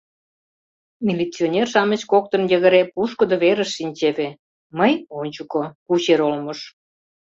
Милиционер-шамыч коктын йыгыре пушкыдо верыш шинчеве, мый — ончыко, кучер олмыш.